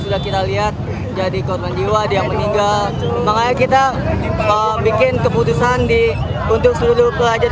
melihat jadi korban jiwa dia meninggal makanya kita bikin keputusan di untuk seluruh pelajar